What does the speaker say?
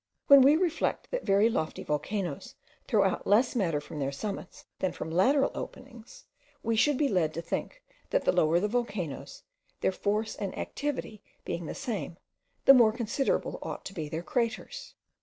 When we reflect, that very lofty volcanoes throw out less matter from their summits than from lateral openings, we should be led to think, that the lower the volcanoes, their force and activity being the same, the more considerable ought to be their craters.